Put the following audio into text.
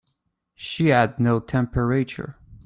She had no temperature.